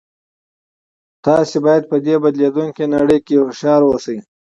تاسې باید په دې بدلیدونکې نړۍ کې هوښیار اوسئ